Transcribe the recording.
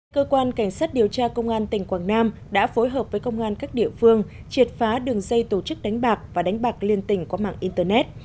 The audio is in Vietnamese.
cơ quan cảnh sát điều tra công an tỉnh quảng nam đã phối hợp với công an các địa phương triệt phá đường dây tổ chức đánh bạc và đánh bạc liên tỉnh qua mạng internet